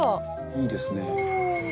「いいですね」